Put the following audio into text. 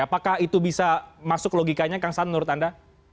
apakah itu bisa masuk logikanya kang saan menurut anda